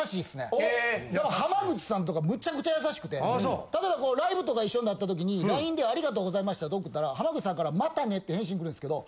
やっぱ濱口さんとかむちゃくちゃ優しくて例えばライブとか一緒になった時にＬＩＮＥで「ありがとうございました」って送ったら濱口さんから「またね」って返信くるんですけど